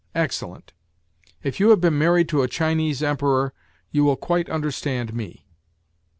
" Excellent ! If you have been married to a Chinese Emperor, you will quite understand me.